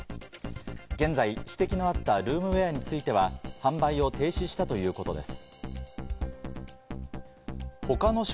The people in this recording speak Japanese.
現在、指摘のあったルームウエアについては、販売を停止したということです。